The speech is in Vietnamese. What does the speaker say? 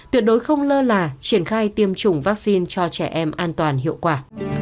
tuyệt đối không lơ là triển khai tiêm chủng vaccine cho trẻ em an toàn hiệu quả